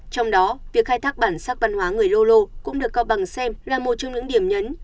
trong đó việc khai thác bản sắc văn hóa người lô lô cũng được cao bằng xem là một trong những điểm nhấn